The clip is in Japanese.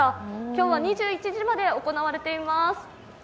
今日は２１時まで行われています。